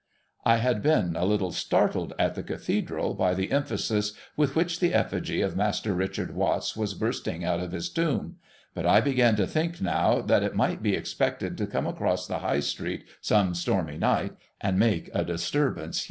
I had been a little startled, in the Cathedral, by the emphasis with which the effigy of Master Richard Watts was bursting out of his tomb ; but I began to think, now, that it might be expected to come across the High street some stormy night, and make a disturbance here.